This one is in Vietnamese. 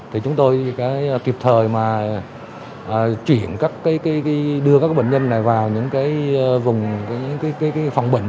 thì chúng tôi kịp thời đưa các bệnh nhân này vào những phòng bệnh